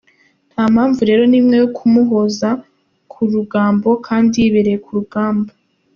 Nta mpamvu rero n’imwe yo kumuhoza ku rugambo kandi yibereye ku rugamba.